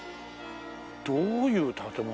どういう建物？